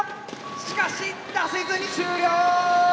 しかし出せずに終了！